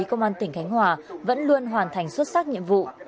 công an tỉnh khánh hòa vẫn luôn hoàn thành xuất sắc nhiệm vụ